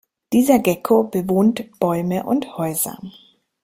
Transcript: Dieser Gecko bewohnt Bäume und Häuser.